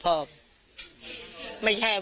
เพราะไม่เคยถามลูกสาวนะว่าไปทำธุรกิจแบบไหนอะไรยังไง